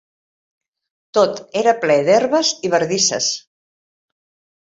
Tot era ple d'herbes i bardisses